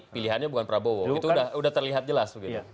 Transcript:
pilihannya bukan prabowo itu sudah terlihat jelas begitu